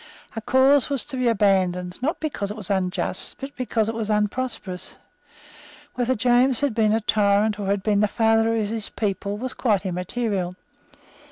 A cause was to be abandoned, not because it was unjust, but because it was unprosperous. Whether James had been a tyrant or had been the father of his people was quite immaterial.